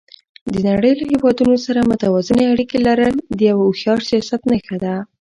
د نړۍ له هېوادونو سره متوازنې اړیکې لرل د یو هوښیار سیاست نښه ده.